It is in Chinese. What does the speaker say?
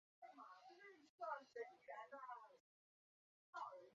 澳洲人自创的版本于澳洲雪梨昆士兰表演艺术中心担任崔普上校。